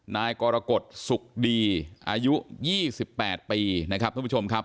นายกรกฎสุขดีอายุ๒๘ปีนะครับ